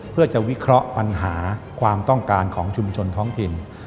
เพื่อจะวิเคราะห์ปัญหาความต้องการของชุมชนท้องถิ่น